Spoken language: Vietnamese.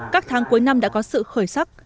các tháng cuối năm đã có sự khởi sắc